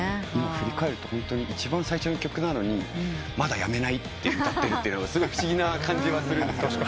振り返るとホントに一番最初の曲なのに「まだやめない」と歌ってるってすごい不思議な感じがする。